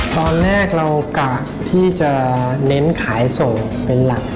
ตอนแรกเรากะที่จะเน้นขายส่งเป็นหลัก